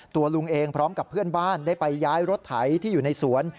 ตัวลุงเองพร้อมกับเพื่อนบ้านได้ไปย้ายรถไถที่อยู่ในสวน